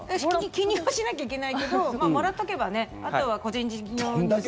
記入はしなきゃいけないけどもらっとけばあとは個人事業主さん。